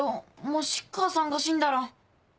もし母さんが死んだら。